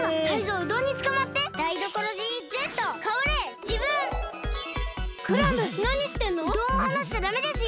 うどんをはなしちゃダメですよ！